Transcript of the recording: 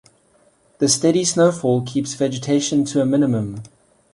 The steady snowfall keeps vegetation to a minimum.